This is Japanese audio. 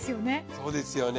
そうですよね。